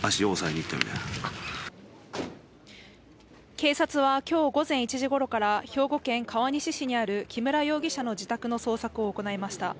警察は今日午前１時ごろから兵庫県川西市にある木村容疑者の自宅の捜索を行いました。